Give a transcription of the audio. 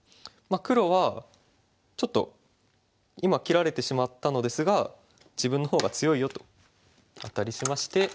黒はちょっと今切られてしまったのですが「自分の方が強いよ」とアタリしまして。